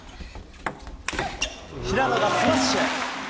平野がスマッシュ。